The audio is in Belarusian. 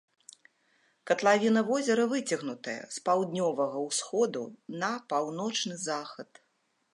Катлавіна возера выцягнутая з паўднёвага ўсходу на паўночны захад.